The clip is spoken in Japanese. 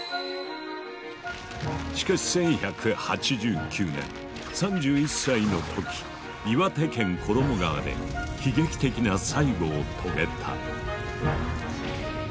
しかし１１８９年３１歳の時岩手県衣川で悲劇的な最期を遂げた。